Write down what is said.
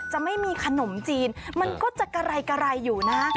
จะไม่มีขนมจีนมันก็จะกระไรกระไรอยู่นะ